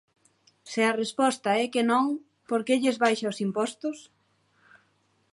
Se a resposta é que non, ¿por que lles baixa os impostos?